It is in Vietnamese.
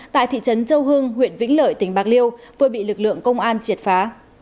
tại thị trấn châu hưng huyện vĩnh lợi tỉnh bạc liêu vừa bị lực lượng công an triệt phá